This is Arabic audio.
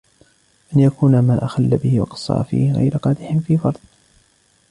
أَنْ يَكُونَ مَا أَخَلَّ بِهِ وَقَصَّرَ فِيهِ غَيْرَ قَادِحٍ فِي فَرْضٍ